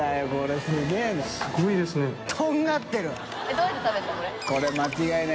どうやって食べるんだ？